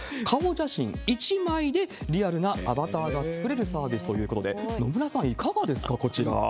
顔写真１枚でリアルなアバターが作れるサービスということで、野村さん、いかがですか、こちら。